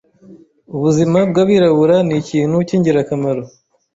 Ubuzima Bwabirabura nikintu kingirakamaro